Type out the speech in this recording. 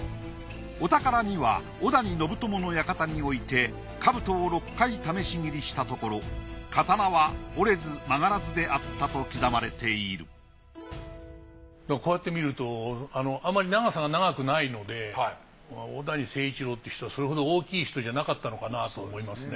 お宝には男谷信友の館において兜を６回試し斬りしたところ刀は折れず曲がらずであったと刻まれているこうやって見るとあまり長さが長くないので男谷精一郎って人はそれほど大きい人じゃなかったのかなと思いますね。